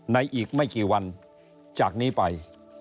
อีกไม่กี่วันจากนี้ไป